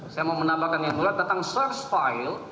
saya mau menambahkan yang mulia tentang search file